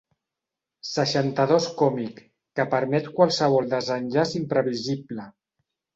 Seixanta-dos còmic, que permet qualsevol desenllaç imprevisible.